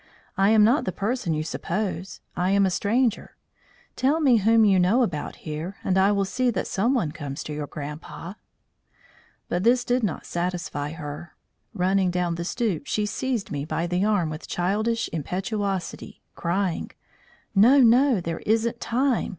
"I am not the person you suppose. I am a stranger. Tell me whom you know about here and I will see that someone comes to your grandpa." But this did not satisfy her. Running down the stoop, she seized me by the arm with childish impetuosity, crying: "No, no. There isn't time.